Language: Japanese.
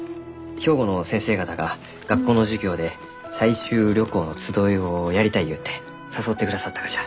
兵庫の先生方が学校の授業で採集旅行の集いをやりたいゆうて誘ってくださったがじゃ。